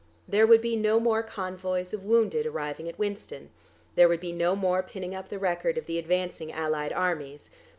There would be no more convoys of wounded arriving at Winston; there would be no more pinning up the record of the advancing Allied Armies.